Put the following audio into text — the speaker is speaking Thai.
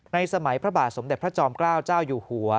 สมัยพระบาทสมเด็จพระจอมเกล้าเจ้าอยู่หัว